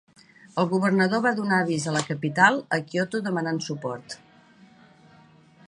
El governador va donar avís a la capital a Kyoto demanant suport.